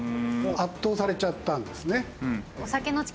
圧倒されちゃったんですね。